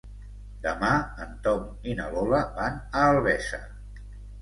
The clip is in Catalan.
Demà en Tom i na Lola van a Albesa.